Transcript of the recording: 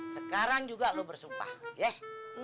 sekarang juga lo bersumpah yeh